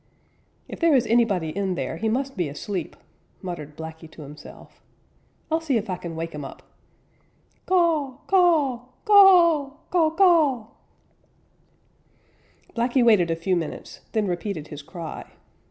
"If there is anybody in there he must be asleep," muttered Blacky to himself. "I'll see if I can wake him up. Caw, caw, ca a w, caw, caw!" Blacky waited a few minutes, then repeated his cry.